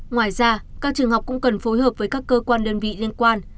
ngoài ra các trường học cũng cần phối hợp với các cơ quan đơn vị liên quan